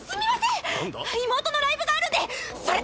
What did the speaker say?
妹のライブがあるんでそれでは！